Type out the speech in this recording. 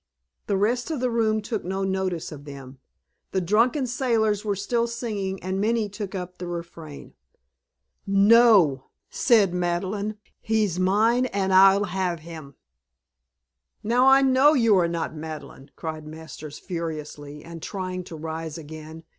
The rest of the room took no notice of them. The drunken sailors were still singing and many took up the refrain. "No," said Madeleine. "He's mine and I'll have him." "Now I know you are not Madeleine," cried Masters furiously, and trying to rise again.